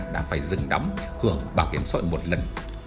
đã phải dừng đóng hưởng bảo hiểm xã hội một lần